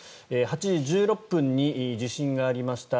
８時１６分に地震がありました。